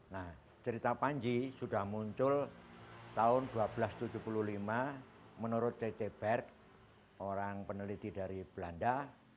nah cerita panji sudah muncul tahun seribu dua ratus tujuh puluh lima menurut ct berk orang peneliti dari belanda